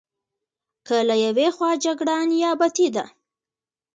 که له یوې خوا جګړه نیابتي ده.